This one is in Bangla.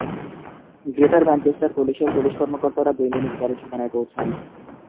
গ্রেটার ম্যানচেস্টার পুলিশের পুলিশ কর্মকর্তারা দুই মিনিট পরে ঠিকানায় পৌঁছান।